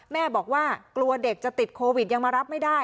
แม่บอกว่ากลัวเด็กจะติดโควิดยังมารับไม่ได้